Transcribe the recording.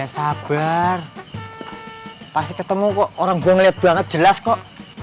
sabar pasti ketemu kok orang gue ngeliat banget jelas kok